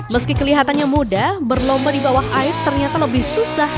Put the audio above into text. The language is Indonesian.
meski kelihatannya mudah berlomba di bawah air ternyata lebih susah